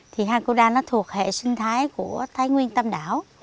thì hakuda nó thuộc hệ sinh thái của thái nguyên tâm đảo